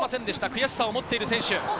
悔しさを持っている選手。